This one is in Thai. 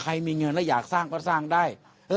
มีเงินแล้วอยากสร้างก็สร้างได้